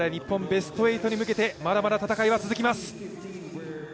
ベスト８に向けてまだまだ戦いは続きます。